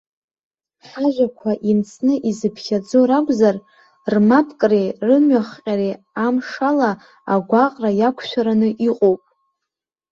Ҳажәақәа имцны изыԥхьаӡо ракәзар, рмапкреи рымҩахҟьареи амшала агәаҟра иақәшәараны иҟоуп.